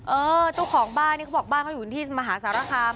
เออเจ้าของบ้านนี่เขาบอกบ้านเขาอยู่ที่มหาสารคาม